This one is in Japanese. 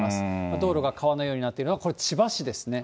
道路が川のようになっているのはこれ、千葉市ですね。